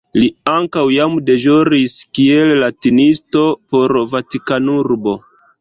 Li ankaŭ jam deĵoris kiel latinisto por Vatikanurbo.